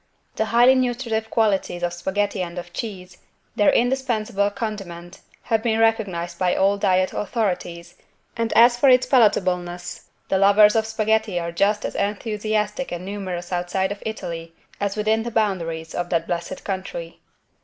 The highly nutritive qualities of spaghetti and of cheese, their indispensable condiment, have been recognized by all diet authorities and, as for its palatableness, the lovers of spaghetti are just as enthusiastic and numerous outside of Italy as within the boundaries of that blessed country.